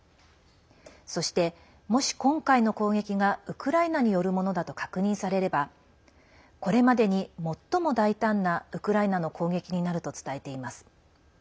そして、もし今回の攻撃がウクライナによるものだと確認されればこれまでに最も大胆なウクライナの攻撃になると伝えています。